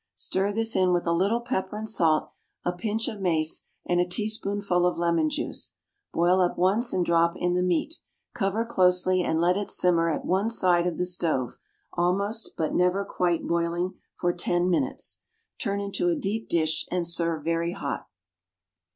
Stir this in with a little pepper and salt, a pinch of mace and a teaspoonful of lemon juice. Boil up once and drop in the meat. Cover closely and let it simmer at one side of the stove, almost, but never quite boiling, for ten minutes. Turn into a deep dish and serve very hot.